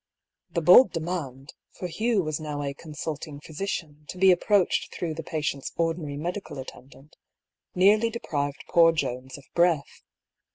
" The bold demand — for Hugh was now fl " consulting physician,'' to be approached through the patient's ordinary medical attendant — nearly deprived poor Jones of breath.